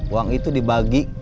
uang itu dibagi